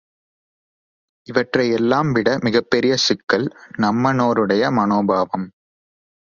இவற்றையெல்லாம் விடப் பெரிய சிக்கல் நம்மனோருடைய மனோபாவம்!